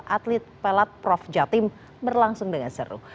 atlet pelat prof jatim berlangsung dengan seru